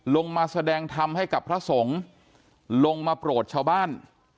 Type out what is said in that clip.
ลงมาแสดงธรรมให้กับพระสงฆ์ลงมาโปรดชาวบ้าน